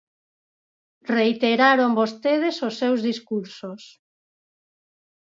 Reiteraron vostedes os seus discursos.